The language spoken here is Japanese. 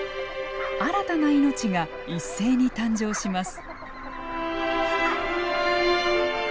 新たな命が一斉に誕生します。